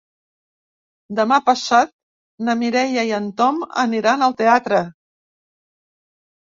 Demà passat na Mireia i en Tom aniran al teatre.